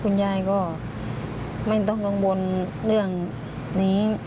คุณยายก็ไม่ต้องกังวลเรื่องนี้